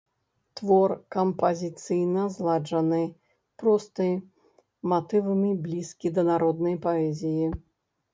Твор кампазіцыйна зладжаны, просты, матывамі блізкі да народнай паэзіі.